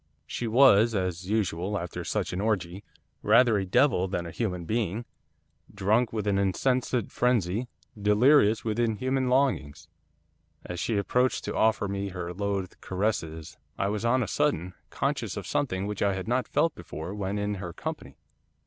She was, as usual after such an orgie, rather a devil than a human being, drunk with an insensate frenzy, delirious with inhuman longings. As she approached to offer to me her loathed caresses, I was on a sudden conscious of something which I had not felt before when in her company.